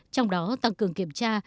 trong đó tăng cường kiểm tra